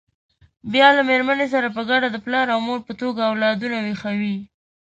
بیا له مېرمنې سره په ګډه د پلار او مور په توګه اولادونه ویښوي.